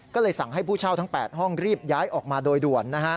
ก็เลยสั่งให้ผู้เช่าทั้ง๘ห้องรีบย้ายออกมาโดยด่วน